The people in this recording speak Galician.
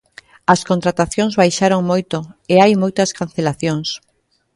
As contratacións baixaron moito e hai moitas cancelacións.